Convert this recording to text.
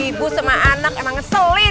ibu sama anak emang ngeselin